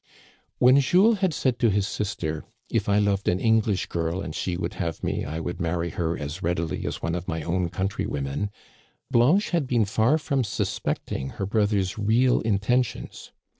When Jules had said to his sister :" If I loved an English girl and she would have me, I would marry her as readily as one of my own countr)rwomen," Blanche had been far from suspecting her brother's real inten tions.